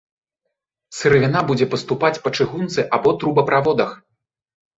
Сыравіна будзе паступаць па чыгунцы або трубаправодах.